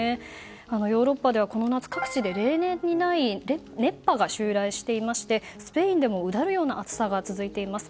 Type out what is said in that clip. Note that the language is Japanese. ヨーロッパでは各地で例年にない熱波が襲来していましてスペインでもうだるような暑さが続いています。